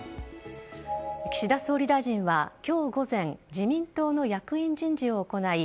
岸田総理大臣は今日午前自民党の役員人事を行い